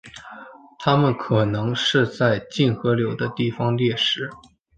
它们可能是在近河流的地方猎食。